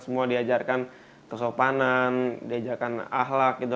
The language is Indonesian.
semua diajarkan kesopanan diajarkan ahlak gitu